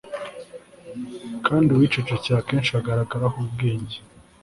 kandi uwicecekeye akenshi agaragaraho ubwenge